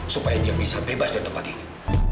supaya dia bisa bebas dari tempat ini